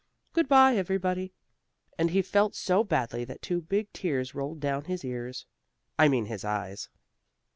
Goodbye everybody!" And he felt so badly that two big tears rolled down his ears I mean his eyes.